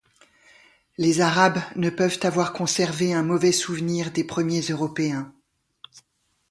Les Arabes ne peuvent avoir conservé un mauvais souvenir des premiers Européens.